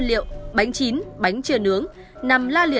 lâu là bao lâu ạ